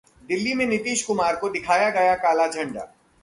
दिल्ली में नीतीश कुमार को दिखाया गया काला झंडा